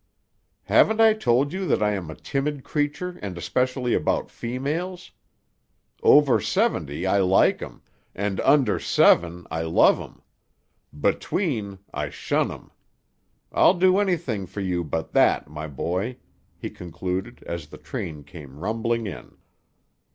"Haven't I told you that I am a timid creature and especially about females? Over seventy I like 'em, and under seven I love 'em. Between, I shun 'em. I'll do anything for you but that, my boy," he concluded, as the train came rumbling in.